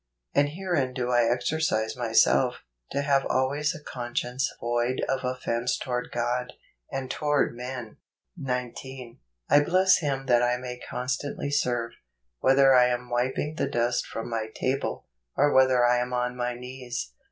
" And herein do I exercise myself, to have always a conscience void of offence toward God , and toward men." 10. I bless Him that I may constantly serve, whether I am wiping the dust from my table, or whether I am on my knees.